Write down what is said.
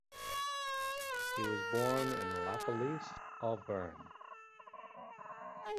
He was born at Lapalisse, Auvergne.